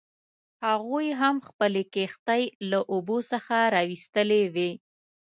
هغوی هم خپلې کښتۍ له اوبو څخه راویستلې وې.